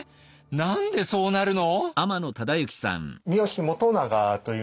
何でそうなるの？